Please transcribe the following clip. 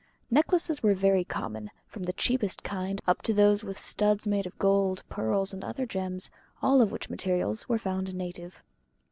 Necklaces were very common, from the cheapest kind up to those with the studs made of gold, pearls, and other gems, all of which materials were found native.